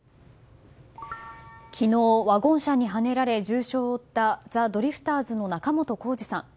昨日、ワゴン車にはねられ重傷を負ったザ・ドリフターズの仲本工事さん。